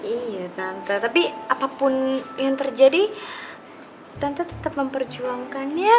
iya tapi apapun yang terjadi tante tetap memperjuangkannya